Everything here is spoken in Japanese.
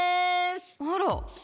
あら。